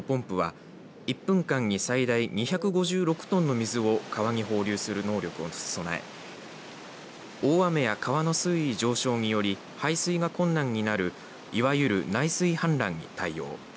設置された２台のポンプは１分間に最大２５６トンの水を川に放流する能力を備え大雨や川の水位上昇により排水が困難になるいわゆる内水氾濫に対応。